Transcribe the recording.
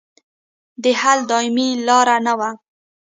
د حل دایمي لار نه وه.